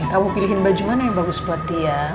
kamu pilihin baju mana yang bagus buat dia